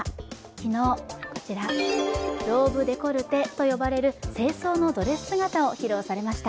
昨日、ローブデコルテと呼ばれる正装のドレス姿を披露されました。